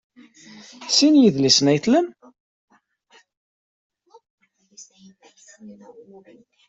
Sin n yidlisen ay tlam?